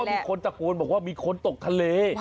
มีคนตะโกนบอกว่ามีคนตกทะเล